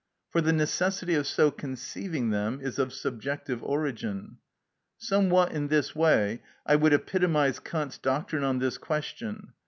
For the necessity of so conceiving them is of subjective origin. Somewhat in this way I would epitomise Kant's doctrine on this question.